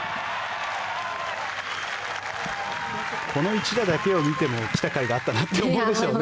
この一打だけを見ても来たかいがあったなと思うでしょうね。